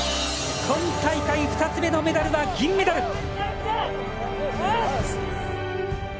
今大会２つ目のメダルは銀メダル。